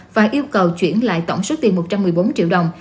và yêu cầu chuyển lại tổng số tiền một trăm một mươi bốn triệu đồng